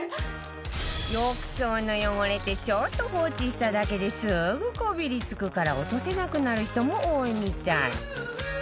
浴槽の汚れってちょっと放置しただけですぐこびりつくから落とせなくなる人も多いみたい